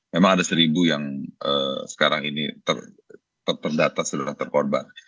memang ada seribu yang sekarang ini terdata sudah terkorban